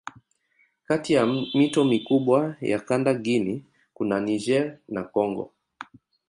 Kati ya mito mikubwa ya kanda Guinea kuna Niger na Kongo.